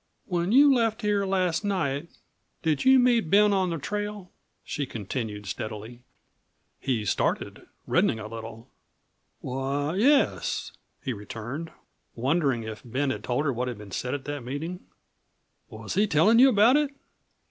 "When you left here last night did you meet Ben on the trail?" she continued steadily. He started, reddening a little. "Why, yes," he returned, wondering if Ben had told her what had been said at that meeting; "was he tellin' you about it?"